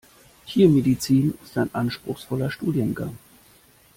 Tiermedizin ist ein anspruchsvoller Studiengang.